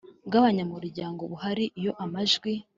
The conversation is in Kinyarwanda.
bw abanyamuryango buhari Iyo amajwi